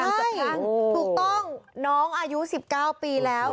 ใช่ถูกต้องน้องอายุ๑๙ปีแล้ว